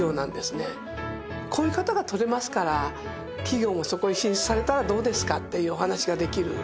こういう方が取れますから企業もそこに進出されたらどうですかっていうお話ができる。